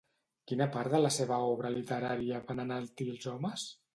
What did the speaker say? Quina part de la seva obra literària van enaltir els homes?